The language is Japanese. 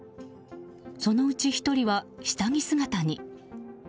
そのうち１人は下着姿に。